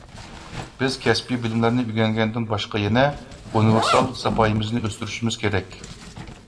بىز كەسپىي بىلىملەرنى ئۆگەنگەندىن باشقا يەنە ئۇنىۋېرسال ساپايىمىزنى ئۆستۈرۈشىمىز كېرەك.